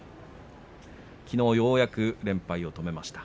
きのうようやく連敗を止めました。